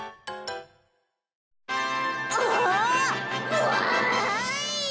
うわわい！